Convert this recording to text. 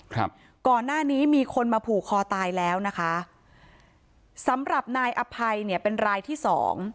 ครับก่อนหน้านี้มีคนมาผูกคอตายแล้วนะคะสำหรับนายอภัยเนี่ยเป็นรายที่สอง